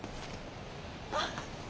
あっ！